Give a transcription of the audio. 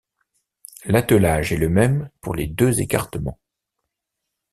L'attelage est le même pour les deux écartements.